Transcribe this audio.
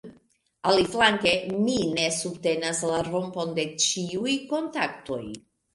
Aliflanke mi ne subtenas la rompon de ĉiuj kontaktoj.